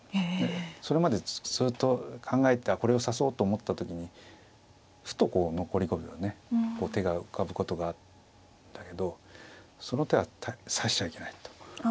それまでずっと考えてたこれを指そうと思った時にふとこう残り５秒ね手が浮かぶことがあるんだけどその手は指しちゃいけないと。